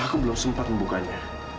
aku belum sempat membukanya